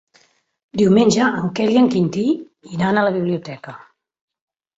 Diumenge en Quel i en Quintí iran a la biblioteca.